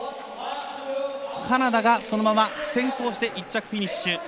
カナダがそのまま先行して１着フィニッシュ。